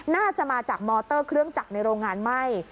น่าจะมาจากมอเตอร์เครื่องจักรในโรงงานไหม้